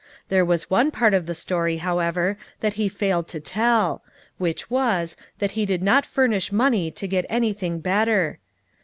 There was one part of the story, however, that he failed to tell : which was, that he did not furnish money to get anything better.